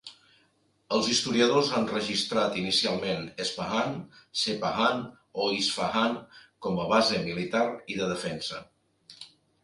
Els historiadors han registrat inicialment "Espahan", "Sepahan" o "Isfahan" com a base militar i de defensa.